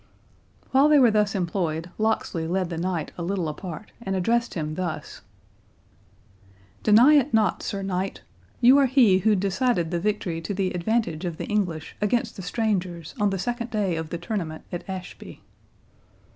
While they were thus employed, Locksley led the knight a little apart, and addressed him thus:—"Deny it not, Sir Knight—you are he who decided the victory to the advantage of the English against the strangers on the second day of the tournament at Ashby."